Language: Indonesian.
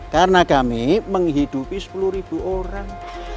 karena kami menghidupi sepuluh orang